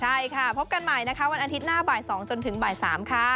ใช่ค่ะพบกันใหม่นะคะวันอาทิตย์หน้าบ่าย๒จนถึงบ่าย๓ค่ะ